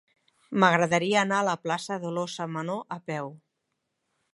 M'agradaria anar a la plaça de l'Óssa Menor a peu.